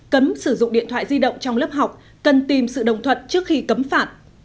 cấm sử dụng điện thoại di động trong lớp học cần tìm sự đồng thuận trước khi cấm phản